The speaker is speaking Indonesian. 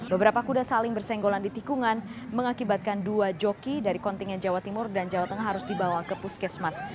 beberapa kuda saling bersenggolan di tikungan mengakibatkan dua joki dari kontingen jawa timur dan jawa tengah harus dibawa ke puskesmas